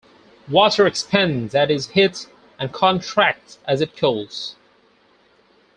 Water expands as it heats and contracts as it cools.